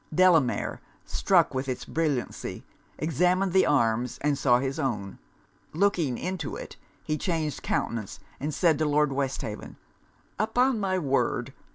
Delamere, struck with its brilliancy, examined the arms and saw his own: looking into it, he changed countenance, and said to Lord Westhaven 'Upon my word!